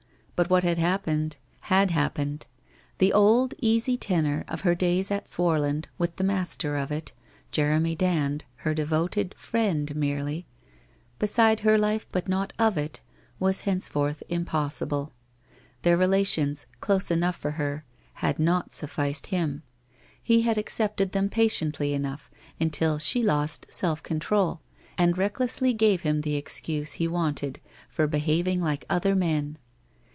But what had happened — had happened ! The old easy tenor of her days at Swarland with the master of it, Jeremy Dand, her devoted friend merely; beside her life, but not of it, was henceforth impossible. Their relations, close enough for her, had not sufficed him. He had accepted them patiently enough until she lost self control and recklessly gave him the excuse he wanted for behaving like other men.